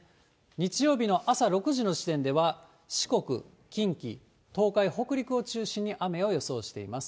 日曜日の朝６時の時点では、四国、近畿、東海、北陸を中心に雨を予想しています。